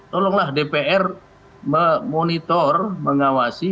tolonglah dpr memonitor mengawasi